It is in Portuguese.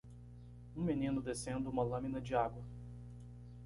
Um menino descendo uma lâmina de água.